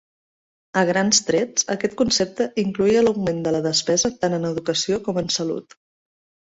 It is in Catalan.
A grans trets, aquest concepte incloïa l'augment de la despesa tant en educació com en salut.